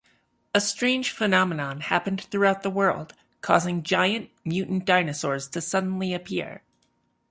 A strange phenomenon happened throughout the world, causing giant, mutant dinosaurs to suddenly appear.